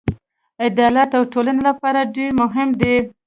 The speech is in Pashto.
عدالت د ټولنې لپاره ډېر مهم دی.